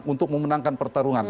untuk memenangkan pertarungan